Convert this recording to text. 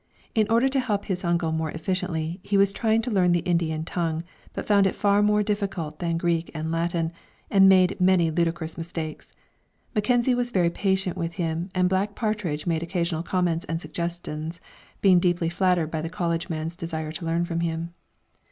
In order to help his uncle more efficiently, he was trying to learn the Indian tongue, but found it far more difficult than Greek and Latin, and made many ludicrous mistakes. Mackenzie was very patient with him, and Black Partridge made occasional comments and suggestions, being deeply flattered by the college man's desire to learn from him.